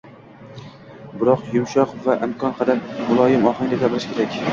biroq yumshoq va imkon qadar muloyim ohangda gapirish kerak.